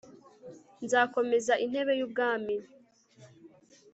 nzakomeza intebe y'ubwami